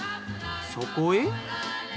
そこへ。